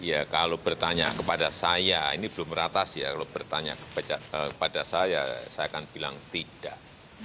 ya kalau bertanya kepada saya ini belum ratas ya kalau bertanya kepada saya saya akan bilang tidak